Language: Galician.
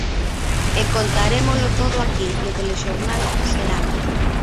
E contarémolo todo aquí, no Telexornal Serán.